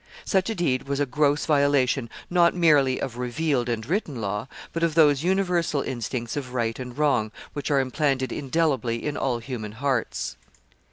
Such a deed was a gross violation not merely of revealed and written law, but of those universal instincts of right and wrong which are implanted indelibly in all human hearts.